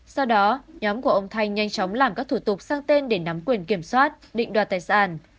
sau đó nhóm của ông thanh nhanh chóng làm các thủ tục sang tên để nắm quyền kiểm soát định đoạt tài sản